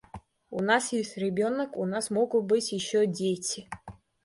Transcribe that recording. У нас есть ребенок, у нас могут быть еще дети.